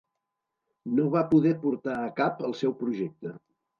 No va poder portar a cap el seu projecte.